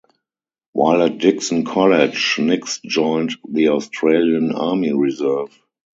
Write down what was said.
While at Dickson College, Nix joined the Australian Army Reserve.